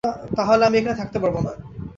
তাহলে আমি এখানে থাকতে পারব না।